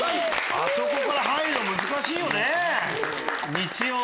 あそこから入るの難しいよね。